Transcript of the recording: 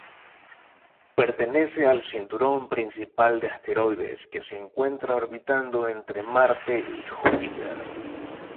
Pertenece al cinturón principal de asteroides, que se encuentran orbitando entre Marte y Júpiter.